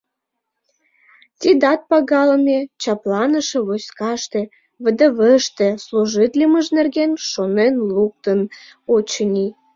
— Тидат пагалыме, чапланыше войскаште — ВДВ-ште — служитлымыж нерген шонен луктын, очыни.